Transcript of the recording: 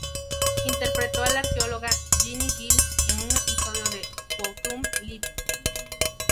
Interpretó a la arqueóloga Ginny Will en un episodio de "Quantum Leap".